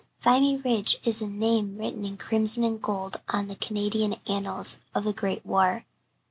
Vimy Ridge is a name written in crimson and gold on the Canadian annals of the Great War.